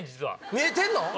見えてんの？